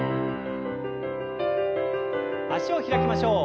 脚を開きましょう。